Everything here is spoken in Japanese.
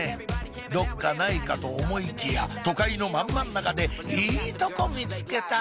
どっかないかと思いきや都会の真ん真ん中でいいとこ見つけた！